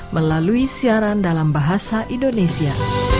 melalui siaran dalam bahasa indonesia